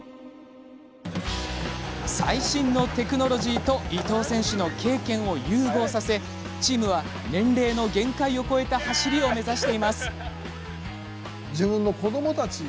最新のテクノロジーと伊藤選手の経験を融合させチームは年齢の限界を越えた走りを目指しています。